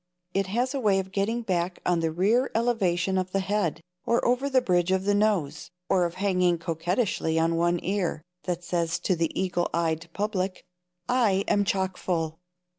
It has a way of getting back on the rear elevation of the head, or over the bridge of the nose, or of hanging coquettishly on one ear, that says to the eagle eyed public: "I am chockfull."